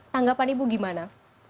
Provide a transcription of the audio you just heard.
tanggapan ibu gimana